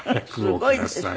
すごいですね。